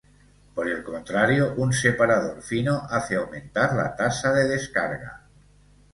Por el contrario, un separador fino hace aumentar la tasa de descarga.